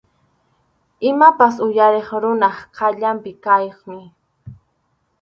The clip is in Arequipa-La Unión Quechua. Imapas uyariq runap qayllanpi kaqmi.